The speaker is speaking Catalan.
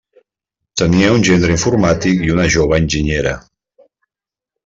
Tenia un gendre informàtic i una jove enginyera.